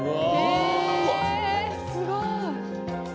えすごい。